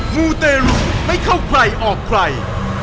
มูเตรุไม่เข้าใครออกใคร